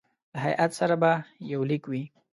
له هیات سره به یو لیک وي.